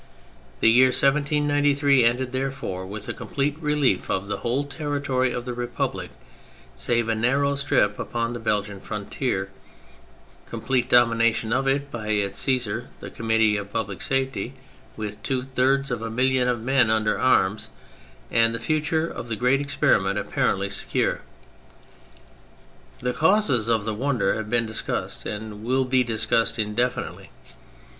The year 1793 ended, therefore, with the complete relief of the whole territory of the Republic, save a narrow strip upon the Belgian frontier, complete domination of it by its Caesar, the Committee of Public Safety; with two thirds of a million of men under arms, and the future of the great experiment apparently secure. The causes of the wonder have been dis cussed, and will be discussed indefinitely.